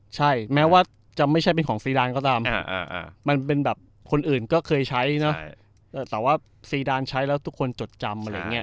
ใช่แม้ว่าจะไม่ใช่เป็นของซีดานก็ตามมันเป็นแบบคนอื่นก็เคยใช้เนอะแต่ว่าซีดานใช้แล้วทุกคนจดจำอะไรอย่างนี้